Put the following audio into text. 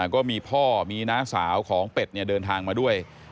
ก็มีพ่อมีน้าสาวของเป็ดเดินทางมาด้วย